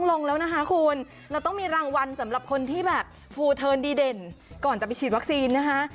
เราต้องมีรางวันสำหรับคนที่แบบทิวเทิร์นดีเด่นก่อนจะไปฉีดวัคซีนนะฮะ